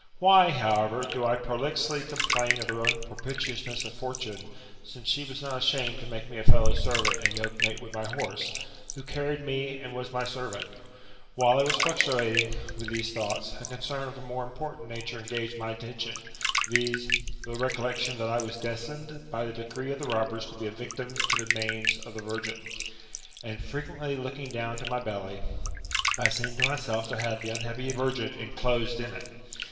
Why, however, do I prolixly complain of the unpropitiousnesss of Fortune; since she was not ashamed to make me a fellow servant and yokemate with my horse, who carried me and was my servant? While I was fluctuating with these thoughts, a concern of a more important nature engaged my attention, viz. the recollec tion that I was destined by the decree of the robbers to be a victim to the manes of the virgin; and frequently looking down to my belly, I seemed to myself to have the unhappy virgin enclosed in it.